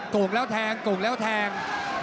โก่งแล้วแทงโก่งแล้วแทง